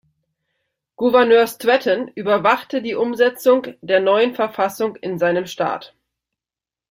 Gouverneur Stratton überwachte die Umsetzung der neuen Verfassung in seinem Staat.